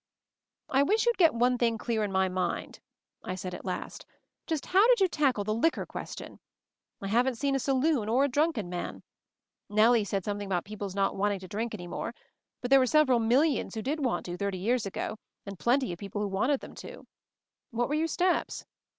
"I wish you'd get one thing clear in my mind," I said at last. "Just how did you tackle the liquor question. I haven't seen a saloon — or a drunken man. Nellie said something about people's not wanting to drink any more — but there were several mil lions who did want to, thirty years ago, and plenty of people who wanted them to. What were your steps?"